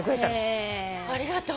ありがとう。